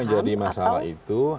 yang jadi masalah itu